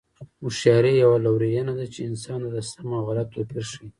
هوښیاري یوه لورینه ده چې انسان ته د سم او غلط توپیر ښيي.